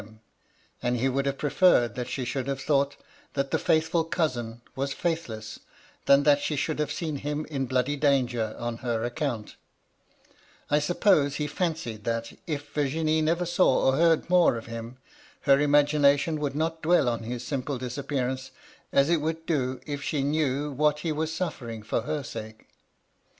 him ; and he would have preferred that she should have thought that the * fedthful cousin ' was faithless, than that she should have seen him in bloody danger on her account I suppose he fancied that» if Virginie neyer saw or heard more of him, her imagination would not dwell on his simple disappearance, as it would do if she knew what he was suffering for her sake.